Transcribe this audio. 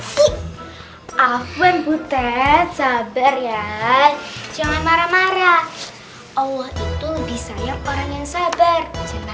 siap afwan butet sabar ya jangan marah marah allah itu lebih sayang orang yang sabar jangan